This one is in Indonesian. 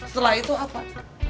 setelah itu apa